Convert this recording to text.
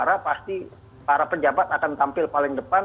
ketika juara pasti para pejabat akan tampil paling depan